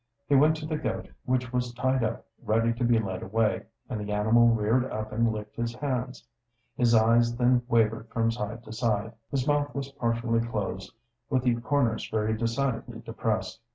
He went to the goat, which was tied up ready to be led away, and the animal reared up and licked his hands. His eyes then wavered from side to side; his "mouth was partially closed, with the corners very decidedly depressed."